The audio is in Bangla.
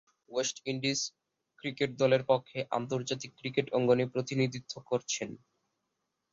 ওয়েস্ট ইন্ডিজ ক্রিকেট দলের পক্ষে আন্তর্জাতিক ক্রিকেট অঙ্গনে প্রতিনিধিত্ব করছেন।